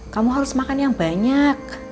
kamu harus makan yang banyak